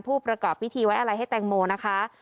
ผู้ประกอบพิธีไว้อะไรให้แตงโมนะคะ